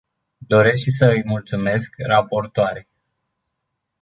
Doresc și să îi mulțumesc raportoarei.